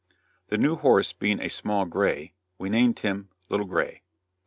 The new horse being a small gray, we named him "Little Gray."